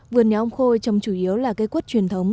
vườn nhà ông khôi trông chủ yếu là cây cốt truyền thống